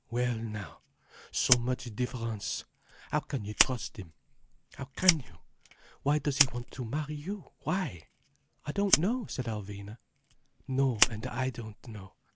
Well now—so much difference! How can you trust him? How can you? Why does he want to marry you—why?" "I don't know—" said Alvina. "No, and I don't know.